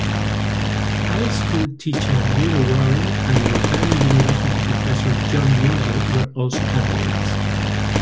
High school teacher Neil Waring and retired university professor John Mingle were also candidates.